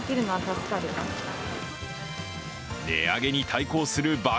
値上げに対抗する爆